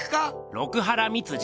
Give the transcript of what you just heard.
六波羅蜜寺！